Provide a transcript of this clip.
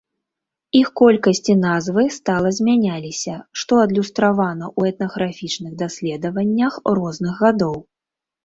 Іх колькасць і назвы стала змяняліся, што адлюстравана ў этнаграфічных даследаваннях розных гадоў.